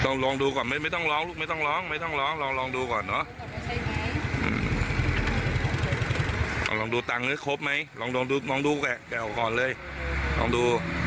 นักข่าวเราต้องบอกแหละ